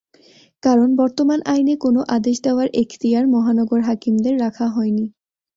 কারণ, বতর্মান আইনে কোনো আদেশ দেওয়ার এখতিয়ার মহানগর হাকিমদের রাখা হয়নি।